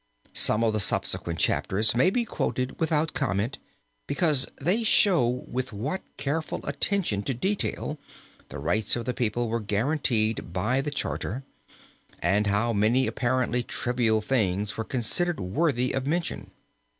Some of the subsequent chapters may be quoted without comment because they show with what careful attention to detail the rights of the people were guaranteed by the Charter, and how many apparently trivial things were considered worthy of mention.